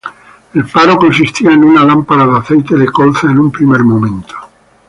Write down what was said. El faro consistía en una lámpara de aceite de colza en un primer momento.